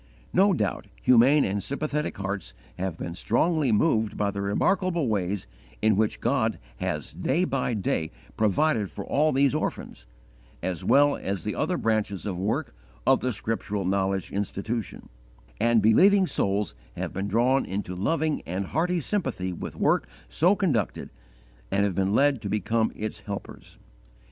No doubt humane and sympathetic hearts have been strongly moved by the remarkable ways in which God has day by day provided for all these orphans, as well as the other branches of work of the Scriptural Knowledge Institution; and believing souls have been drawn into loving and hearty sympathy with work so conducted, and have been led to become its helpers.